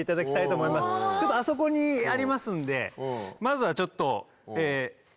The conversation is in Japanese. あそこにありますんでまずはちょっと。